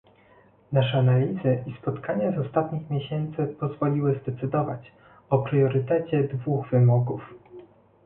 Nasze analizy i spotkania z ostatnich miesięcy pozwoliły zadecydować o priorytecie dwóch wymogów